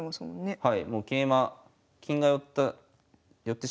はい。